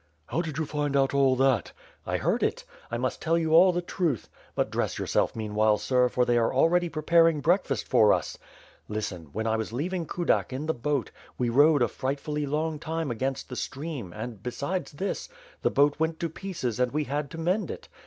"How did you find out all that?" "I heard it. I must tell you all the truth; but dress your self meanwhile, sir, for they are already preparing breakfast for us. Listen, when I was leaving Kudak in the boat, we rowed a frightfully long time against the stream and, besides this, the boat went to pieces and we had to mend it.